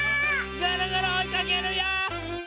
ぐるぐるおいかけるよ！